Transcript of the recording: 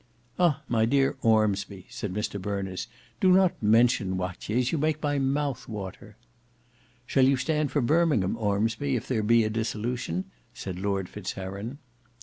"Ah! my dear Ormsby," said Mr Berners, "do not mention Watier's; you make my mouth water." "Shall you stand for Birmingham, Ormsby, if there be a dissolution?" said Lord Fitz Heron.